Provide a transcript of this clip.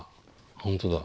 本当だ。